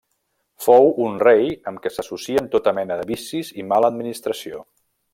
Fou un rei amb què s'associen tota mena de vicis i mala administració.